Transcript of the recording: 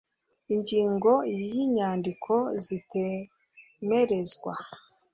ingingo ya inyandiko zitemerezwa